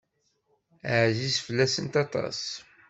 Ɛziz fell-asent aṭas.